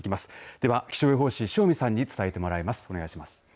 では、気象予報士、塩見さんに伝えてもらいますお願いします。